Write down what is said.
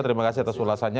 terima kasih atas ulasannya